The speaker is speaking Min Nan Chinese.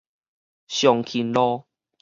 松勤街